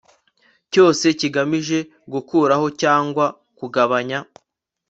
cyose kigamije gukuraho cyangwa kugabanya